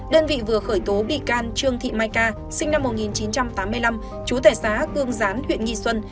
đơn vị vừa khởi tố bị can trương thị mai ca sinh năm một nghìn chín trăm tám mươi năm chú tẻ xá cương gián huyện nhi xuân